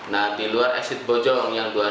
nah di luar eksit bojong yang dua lima km